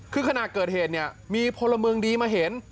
คือขณะเกิดเหตุเนี่ยมีพลเมืองดีมาเห็น